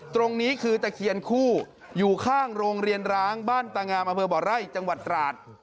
ตรงนี้คือตะเคียนคู่อยู่ข้างโรงเรียนร้างบ้านตางามอำเภอบ่อไร่จังหวัดตราด